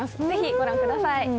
ぜひ、ご覧ください。